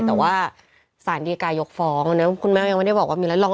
แต่ว่าสารดีกายยกฟองคุณแม่ยังไม่ได้บอกว่ามีอะไร